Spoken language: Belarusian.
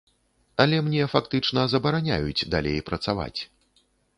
Але мне фактычна забараняюць далей працаваць.